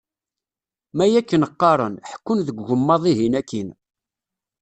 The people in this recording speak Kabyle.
Ma akken qqaren, ḥekkun deg ugemmaḍ-ihin akin.